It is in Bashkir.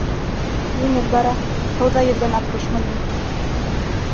Еңел бара, һыуҙа йөҙгән аҡҡошмо ни.